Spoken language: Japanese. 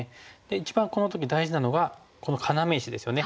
一番この時大事なのがこの要石ですよね。